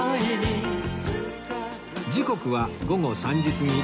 時刻は午後３時過ぎ